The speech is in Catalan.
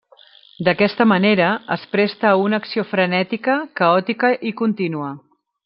D’aquesta manera, es presta a una acció frenètica, caòtica i contínua.